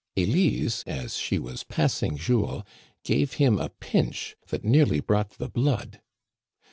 Elise, as she was passing Jules, gave him a pinch that nearly brought the blood.